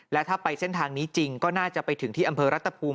และถ้าไปเส้นทางนี้จริงก็น่าจะไปถึงที่อำเภอรัฐภูมิ